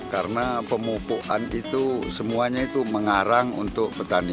karena pemupuan itu semuanya itu mengarang untuk petani